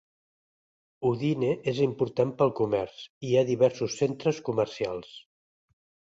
Udine és important pel comerç, hi ha diversos centres comercials.